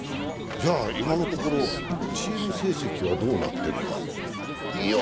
今のところチーム成績はどうなっているか。